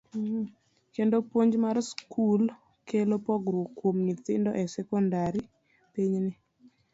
kendo puonj mar skul kelo pogruok kuom nyithindo e sekondar pinyni.